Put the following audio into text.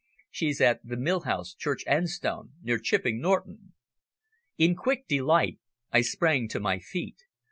She's at the Mill House, Church Enstone, near Chipping Norton." In quick delight I sprang to my feet.